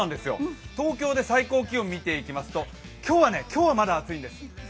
東京で最高気温を見ていきますと、今日はまだ暑いんです。